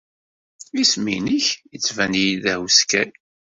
Isem-nnek yettban-iyi-d ahuskay.